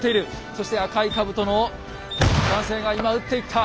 そして赤い兜の男性が今撃っていった。